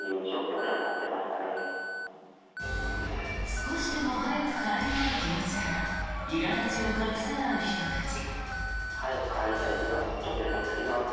少しでも早く帰りたい気持ちからいら立ちを隠せない人たち。